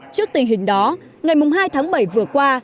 trước tình hình đó ngày hai tháng bảy vừa qua